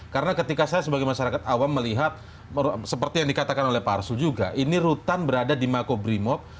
karena ketika saya sebagai masyarakat awam melihat seperti yang dikatakan oleh pak arsul juga ini rutan berada di makobrimok